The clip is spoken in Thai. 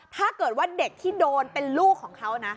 ถ้าเกิดว่าเด็กที่โดนเป็นลูกของเขานะ